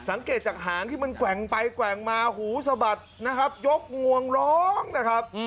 สังเกตจากหางที่มันแกว่งไปแกว่งมาหูสะบัดนะครับยกงวงร้องนะครับ